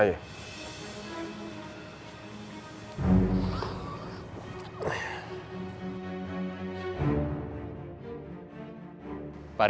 ini produits data bag